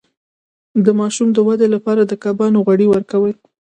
د ماشوم د ودې لپاره د کبانو غوړي ورکړئ